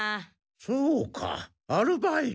そうかアルバイト。